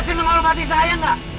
masih menghormati saya gak